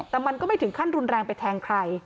แต่มันก็ไม่ถึงขั้นรุนแรงไปแทงใคร